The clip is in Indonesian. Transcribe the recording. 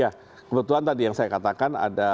ya kebetulan tadi yang saya katakan ada